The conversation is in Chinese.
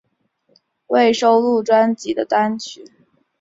未收录专辑的单曲